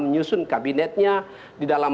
menyusun kabinetnya di dalam